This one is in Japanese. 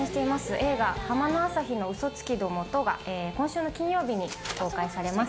映画『浜の朝日の嘘つきどもと』が今週金曜日に公開されます。